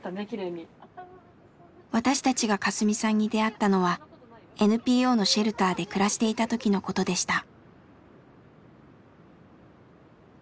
私たちがカスミさんに出会ったのはＮＰＯのシェルターで暮らしていた時のことでした。